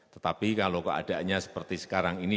tetapi kalau keadaannya seperti sekarang ini